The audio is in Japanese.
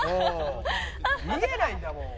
「見えないんだもん」